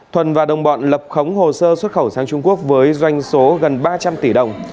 thuần và đồng bọn lập khống hồ sơ xuất khẩu sang trung quốc với doanh số gần ba trăm linh tỷ đồng